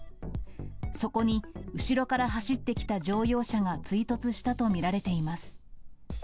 そこに、後ろから走ってきた乗用車が追突したと見られています。